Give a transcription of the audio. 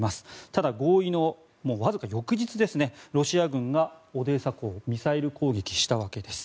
ただ、合意のわずか翌日ロシア軍がオデーサ港をミサイル攻撃したわけです。